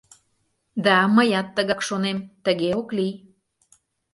— Да, мыят тыгак шонем, тыге ок лий.